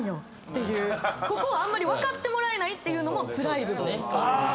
ここあまり分かってもらえないっていうのもつらい部分。